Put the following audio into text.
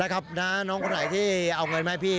แล้วครับน้องคนไหนที่เอาเงินมาให้พี่